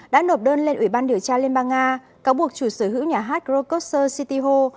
đã nộp đơn lên ủy ban điều tra liên bang nga cáo buộc chủ sở hữu nhà hát rokoser city ho